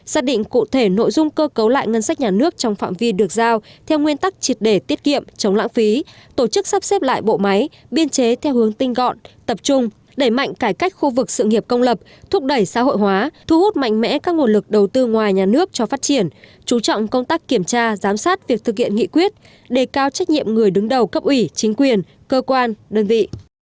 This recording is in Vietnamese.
xác định cụ thể nội dung cơ cấu lại ngân sách nhà nước trong phạm vi được giao theo nguyên tắc triệt để tiết kiệm chống lãng phí tổ chức sắp xếp lại bộ máy biên chế theo hướng tinh gọn tập trung đẩy mạnh cải cách khu vực sự nghiệp công lập thúc đẩy xã hội hóa thu hút mạnh mẽ các nguồn lực đầu tư ngoài nhà nước cho phát triển chú trọng công tác kiểm tra giám sát việc thực hiện nghị quyết đề cao trách nhiệm người đứng đầu cấp ủy chính quyền cơ quan đơn vị